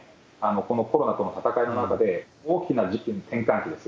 このコロナとの闘いの中で、大きな時期、転換期です。